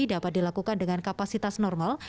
dapat dilakukan dengan kapasitas normal